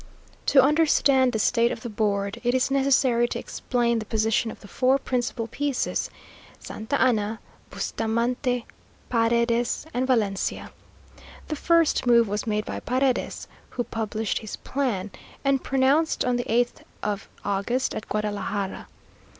To understand the state of the board, it is necessary to explain the position of the four principal pieces Santa Anna, Bustamante, Paredes, and Valencia. The first move was made by Paredes, who published his plan, and pronounced on the eighth of August at Guadalajara.